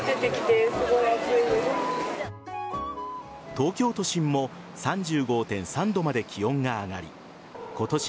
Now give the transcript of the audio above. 東京都心も３５．３度まで気温が上がり今年